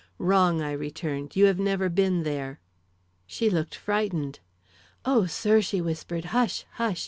"Wrong," I returned; "you have never been there." She looked frightened. "O, sir," she whispered, "hush! hush!